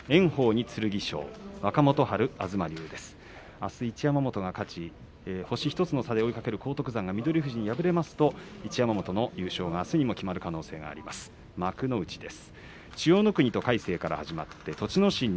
あす一山本が勝ち星１つの差で追いかける荒篤山が敗れますと優勝があすにも決まる可能性があります。